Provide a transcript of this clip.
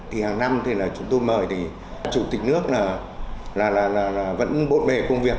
hàng năm chúng tôi mời chủ tịch nước vẫn bộn bề công việc